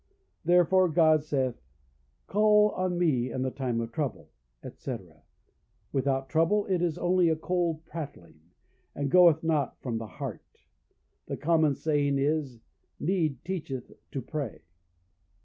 Therefore God saith, "Call on me in the time of trouble," etc., without trouble it is only a cold prattling, and goeth not from the heart; the common saying is "Need teacheth to pray."